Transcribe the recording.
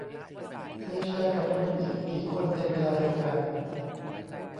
เคยแชร์กับคนอีกกี่คนในเวลาเดียวกัน ?